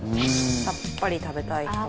さっぱり食べたい人はね。